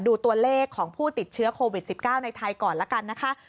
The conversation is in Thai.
ดูตัวเลขของผู้ติดเชื้อโควิด๑๙ในไทยก่อนละกันนะคะ